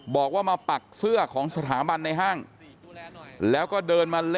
บอกว่ามาปักเสื้อของสถาบันในห้างแล้วก็เดินมาเล่น